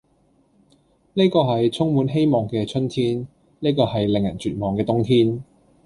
呢個係充滿希望嘅春天，呢個係令人絕望嘅冬天，